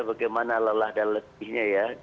bagaimana lelah dan lebihnya ya